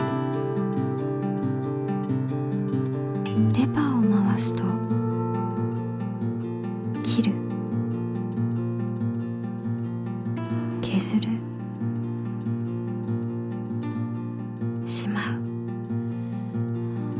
レバーを回すと切るけずるしまう。